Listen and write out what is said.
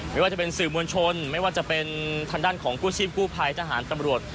ไม่ว่าจะเป็นสื่อมวลชนไม่ว่าจะเป็นทางด้านของกู้ชีพกู้ภัยทหารตำรวจ